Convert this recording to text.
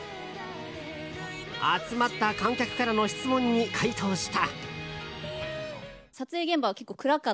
集まった観客からの質問に回答した。